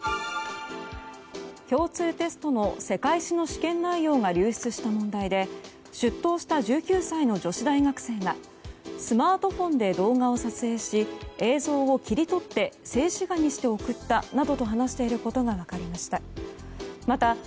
共通テストの世界史の試験内容が流出した問題で出頭した１９歳の女子大学生がスマートフォンで動画を撮影し映像を切り取って静止画にして送ったなどと話していることが分かりました。